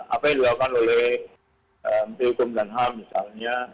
apa yang dilakukan oleh menteri hukum dan ham misalnya